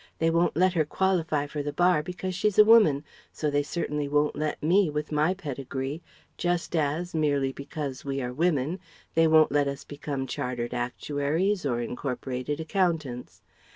They won't let her qualify for the Bar, because she's a woman, so they certainly won't let me with my pedigree; just as, merely because we are women, they won't let us become Chartered Actuaries or Incorporated Accountants.